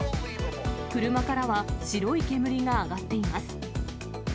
車からは白い煙が上がっています。